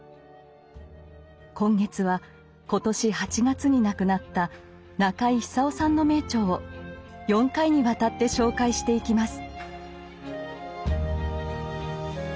今月は今年８月に亡くなった中井久夫さんの名著を４回にわたって紹介していきます。